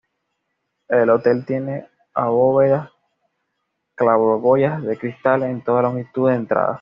El hotel tiene abovedadas claraboyas de cristal en toda la longitud de la entrada.